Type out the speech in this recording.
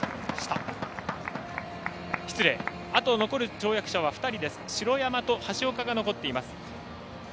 残る跳躍者は２人城山、橋岡が残っています。